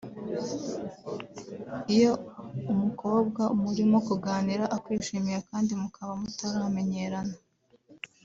Iyo umukobwa murimo kuganira akwishimiye kandi mukaba mutaramenyerana